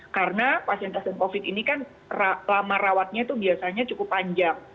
karena pasien positif covid sembilan belas ini kan lama rawatnya itu biasanya cukup panjang